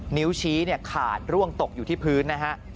นิ้วชี้ขาดร่วงตกอยู่ที่พื้นนะฮะ